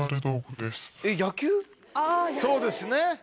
そうですね。